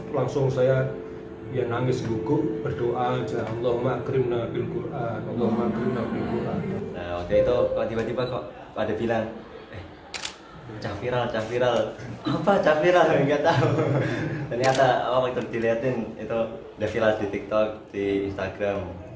ternyata waktu dilihatin itu defilas di tiktok di instagram